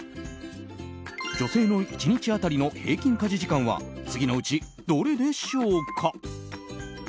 女性の１日当たりの平均家事時間は次のうち、どれでしょうか。